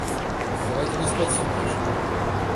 Давайте не спать всю ночь!